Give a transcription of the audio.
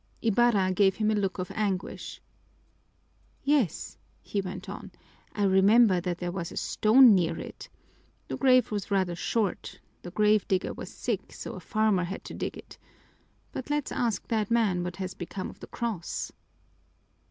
Ibarra gave him a look of anguish. "Yes," he went on, "I remember that there was a stone near it. The grave was rather short. The grave digger was sick, so a farmer had to dig it. But let's ask that man what has become of the cross."